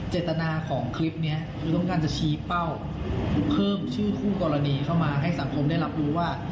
เจตนาของคลิปนี้คือต้องการจะชี้เป้าเพิ่มชื่อคู่กรณีเข้ามาให้สังคมได้รับรู้ว่า